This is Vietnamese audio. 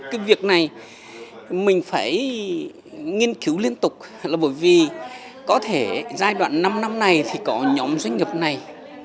cái việc này mình phải nghiên cứu liên tục là bởi vì có thể giai đoạn năm năm này thì có nhóm doanh nghiệp này